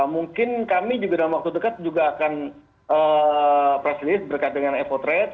mungkin kami juga dalam waktu dekat juga akan press release berkaitan dengan evotrade